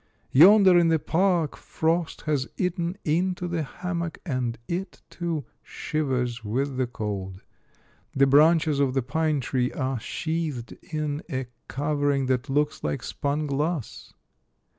Yonder, in the park, frost has eaten into the ham mock, and it, too, shivers with the cold. The branches of the pine tree are sheathed in a cover ing that looks like spun glass.